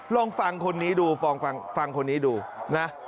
ลองฟังคนนี้ดูฟังคนนี้ดูนะ